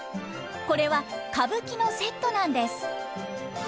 これは歌舞伎のセットなんです。